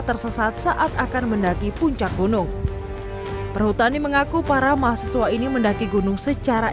tersesat saat akan mendaki puncak gunung perhutani mengaku para mahasiswa ini mendaki gunung secara